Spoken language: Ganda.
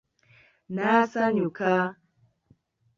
N'asanyuka.